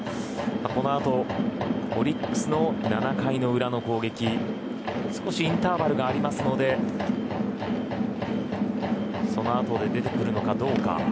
このあとオリックスの７回の裏の攻撃少しインターバルがありますのでその後で出てくるのかどうか。